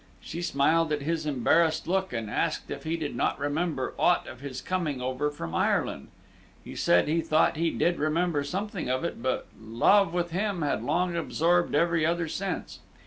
She smiled at his embarrassed look, and asked if he did not remember aught of his coming over from Ireland. He said he thought he did remember something of it, but love with him had long absorbed every other sense.